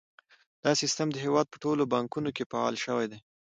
دا سیستم د هیواد په ټولو بانکونو کې فعال شوی دی۔